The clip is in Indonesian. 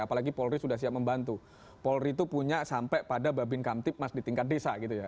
apalagi polri sudah siap membantu polri itu punya sampai pada babin kamtip mas di tingkat desa gitu ya